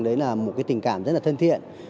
đấy là một cái tình cảm rất là thân thiện